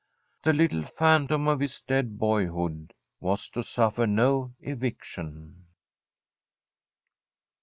The little phantom of his dead boyhood was to suffer no eviction.